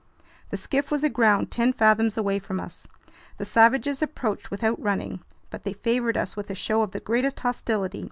The skiff was aground ten fathoms away from us. The savages approached without running, but they favored us with a show of the greatest hostility.